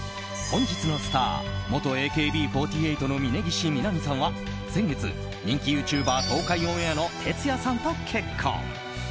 本日のスター元ＡＫＢ４８の峯岸みなみさんは先月、人気ユーチューバー東海オンエアのてつやさんと結婚。